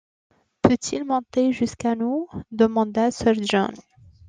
Peut-il monter jusqu’à nous? demanda sir John.